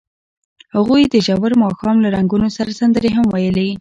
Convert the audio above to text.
هغوی د ژور ماښام له رنګونو سره سندرې هم ویلې.